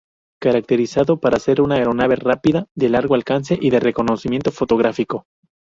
Caracterizado para ser una aeronave rápida, de largo alcance y de reconocimiento fotográfico.